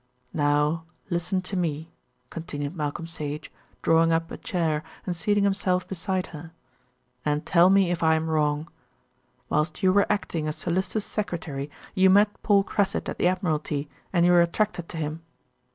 "Now listen to me," continued Malcolm Sage, drawing up a chair and seating himself beside her, "and tell me if I am wrong. Whilst you were acting as Sir Lyster's secretary you met Paul Cressit at the Admiralty, and you were attracted to him."